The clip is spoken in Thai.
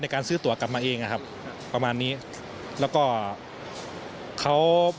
แล้วก็ไม่มีรถมารับเขาอะไรอย่างนี้ครับ